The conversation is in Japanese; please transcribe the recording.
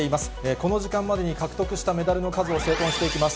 この時間までに獲得したメダルの数を整頓していきます。